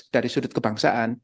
dari sudut kebangsaan